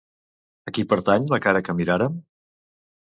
A qui pertany la cara que mirarem?